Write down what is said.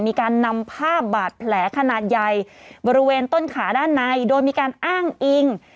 มีการนำภาพบาดแผลขนาดใหญ่บริเวณต้นขาด้านในโดยมีการอ้างอิง